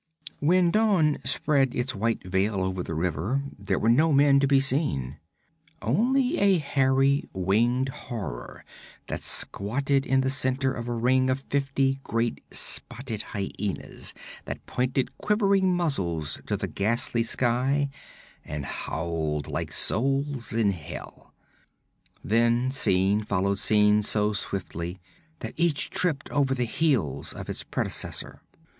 When dawn spread its white veil over the river, there were no men to be seen: only a hairy winged horror that squatted in the center of a ring of fifty great spotted hyenas that pointed quivering muzzles to the ghastly sky and howled like souls in hell. Then scene followed scene so swiftly that each tripped over the heels of its predecessor.